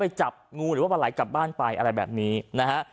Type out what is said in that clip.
จับงูหรือว่าปลาไหลกลับบ้านไปอะไรแบบนี้นะฮะ